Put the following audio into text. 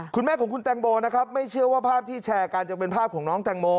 คุณแม่ของคุณแตงโมนะครับไม่เชื่อว่าภาพที่แชร์กันจะเป็นภาพของน้องแตงโม